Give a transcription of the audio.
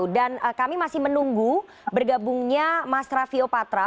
dan kami masih menunggu bergabungnya mas raffio patra